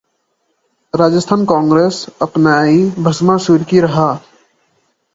राजस्थान कांग्रेस: अपनाई भस्मासुर की राह